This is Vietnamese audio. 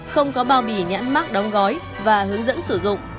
không có bao bì nhãn mắc đóng gói và hướng dẫn sử dụng